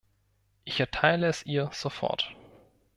Ich erteile es ihr sofort.